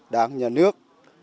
đảng nhà nước